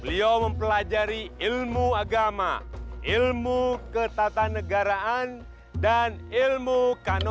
beliau mempelajari ilmu agama ilmu ketatanegaraan dan ilmu kano